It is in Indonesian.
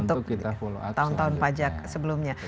untuk tahun tahun pajak sebelumnya